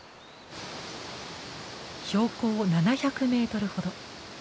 標高７００メートルほど。